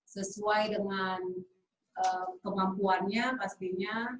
sesuai dengan kemampuannya pastinya